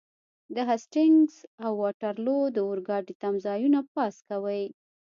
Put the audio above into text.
د هسټینګز او واټرلو د اورګاډي تمځایونه پاس کوئ.